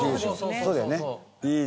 そうだよね。